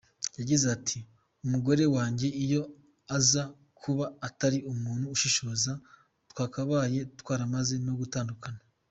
Yagize ati “Umugore wanjye iyo aza kuba atari umuntu ushishoza twakabaye twaramaze no gutandukana.